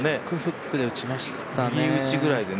フック、フックで打ちましたね。